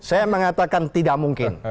saya mengatakan tidak mungkin